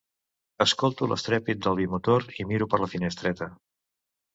Escolto l'estrèpit del bimotor i miro per la finestreta.